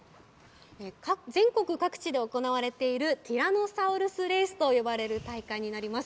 全国各地で行われているティラノサウルスレースと呼ばれる大会になります。